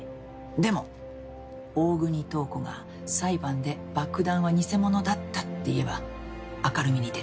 でも大國塔子が裁判で「爆弾は偽物だった」って言えば明るみに出る。